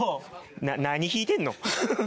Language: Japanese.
何引いてんの？